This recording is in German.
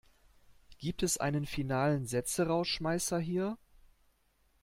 Gibt es einen finalen Sätzerausschmeißer hier?